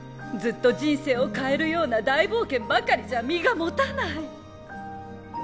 ずっと人生を変えるような大冒険ばかりじゃ身がもたない。